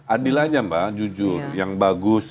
adil aja mbak jujur yang bagus